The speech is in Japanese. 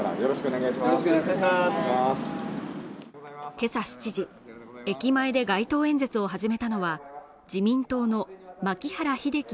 今朝７時駅前で街頭演説を始めたのは自民党の牧原秀樹